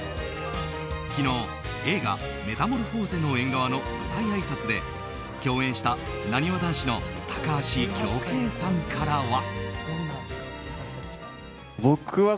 昨日、映画「メタモルフォーゼの縁側」の舞台あいさつで共演したなにわ男子の高橋恭平さんからは。